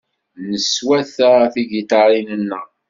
Neswata tigiṭarin-nneɣ.